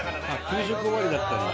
給食終わりだったんだ。